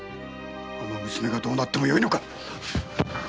あの娘がどうなってもよいのか？